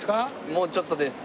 もうちょっとです。